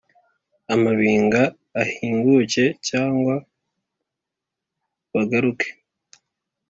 Amabinga ahinguke cg bagaruke